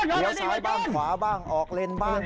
เดี๋ยวซ้ายบ้างคว้าบ้างออกเล่นบ้าง